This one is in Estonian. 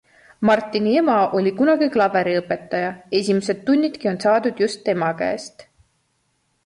Martini ema oli kunagi klaveriõpetaja esimesed tunnidki on saadud just tema käest.